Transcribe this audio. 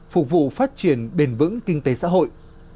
phục vụ phát triển bền vững kinh tế xã hội